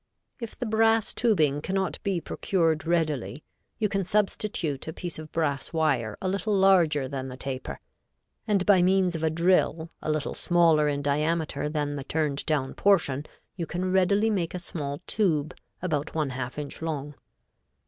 If the brass tubing cannot be procured readily, you can substitute a piece of brass wire a little larger than the taper, and by means of a drill a little smaller in diameter than the turned down portion you can readily make a small tube about one half inch long.